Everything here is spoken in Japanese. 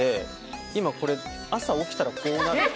今これ朝起きたらこうなる。